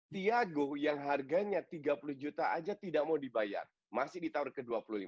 tiago yang harganya tiga puluh juta aja tidak mau dibayar masih ditawar ke dua puluh lima